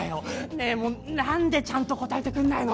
ねえもうなんでちゃんと答えてくれないの？